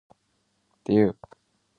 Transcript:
Sí, esi soi yo.